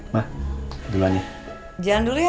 mah duluan ya